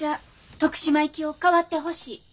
徳島行きを代わってほしい。